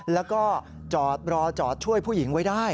แล้วก็จอดรอจอดช่วยผู้หญิงไว้ได้